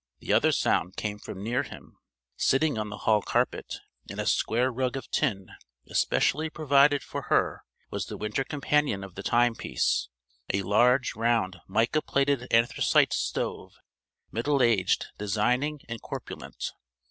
The other sound came from near him: sitting on the hall carpet on a square rug of tin especially provided for her was the winter companion of the time piece a large round mica plated anthracite stove middle aged, designing, and corpulent.